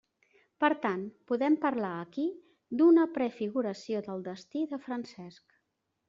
Per tant podem parlar aquí d'una prefiguració del destí de Francesc.